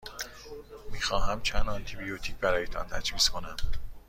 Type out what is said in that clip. می خواهمم چند آنتی بیوتیک برایتان تجویز کنم.